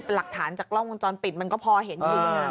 หลักฐานจากกล้องวงจรปิดมันก็พอเห็นอยู่